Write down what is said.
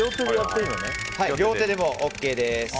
両手でもＯＫです。